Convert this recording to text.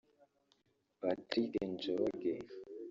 Patrick Njoroge